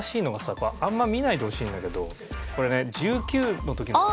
これあんま見ないでほしいんだけどこれね１９の時の我々です。